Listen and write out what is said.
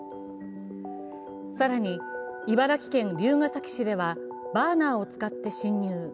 更に茨城県龍ケ崎市ではバーナーを使って侵入。